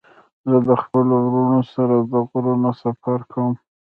زه د خپلو ورونو سره د غرونو سفر کوم.